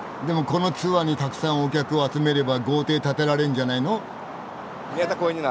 このツアーにたくさんお客を集めれば豪邸建てられんじゃないの？